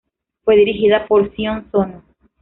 Fue dirigida por Sion Sono.